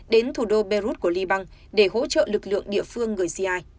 đến thủ đô beirut của liban để hỗ trợ lực lượng địa phương gửi cia